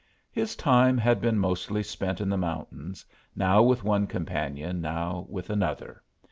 His time had been mostly spent in the mountains, now with one companion, now with another.